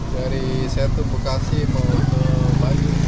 dari bekasi mau ke bandung